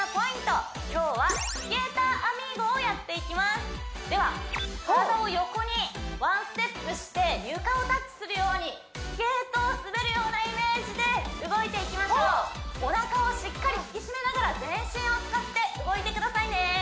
イエイそれではでは体を横にワンステップして床をタッチするようにスケートを滑るようなイメージで動いていきましょうおなかをしっかり引き締めながら全身を使って動いてくださいね